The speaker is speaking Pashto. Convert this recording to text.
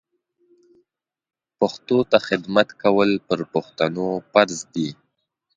پښتو ته خدمت کول پر پښتنو فرض ده